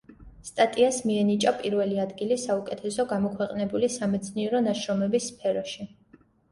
სტატიას მიენიჭა პირველი ადგილი საუკეთესო გამოქვეყნებული სამეცნიერო ნაშრომების სფეროში.